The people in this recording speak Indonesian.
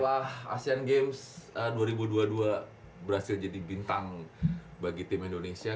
setelah asian games dua ribu dua puluh dua berhasil jadi bintang bagi tim indonesia